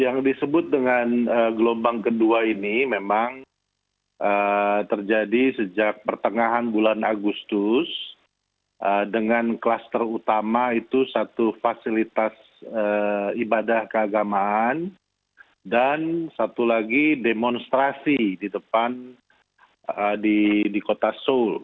yang disebut dengan gelombang kedua ini memang terjadi sejak pertengahan bulan agustus dengan klaster utama itu satu fasilitas ibadah keagamaan dan satu lagi demonstrasi di depan di kota seoul